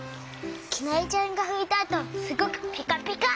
きなりちゃんがふいたあとすごくピカピカ！